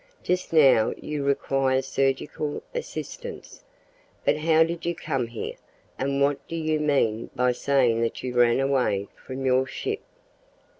Just now you require surgical assistance. But how did you come here? and what do you mean by saying that you ran away from your ship?"